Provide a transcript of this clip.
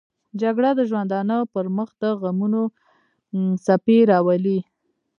جګړه د ژوندانه پر مخ دغمونو څپې راولي